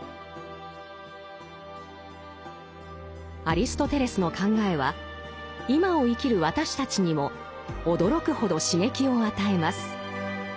アリストテレスの考えは今を生きる私たちにも驚くほど刺激を与えます。